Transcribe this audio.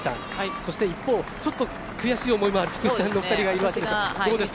そして一方、ちょっと悔しい思いもある福士さんの２人がいますがどうですか